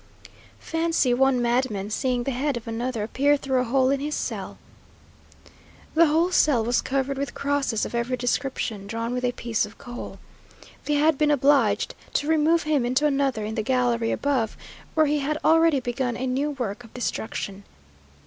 Fancy one madman seeing the head of another appear through a hole in his cell! The whole cell was covered with crosses of every description, drawn with a piece of coal. They had been obliged to remove him into another in the gallery above, where he had already begun a new work of destruction.